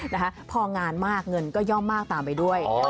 นะคะพองานมากเงินก็ย่อมมากตามไปด้วย